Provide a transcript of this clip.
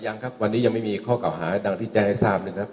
ยังครับวันนี้ยังไม่มีข้อเก่าหาดังที่แจ้งให้ทราบนะครับ